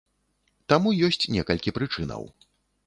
Таму ёсць некалькі прычынаў.